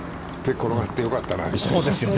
転がって、よかったな。